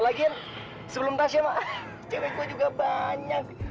lagian sebelum tasnya mak cewek gue juga banyak